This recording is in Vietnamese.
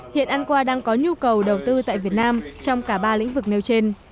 hiện anqua đang có nhu cầu đầu tư tại việt nam trong cả ba lĩnh vực nêu trên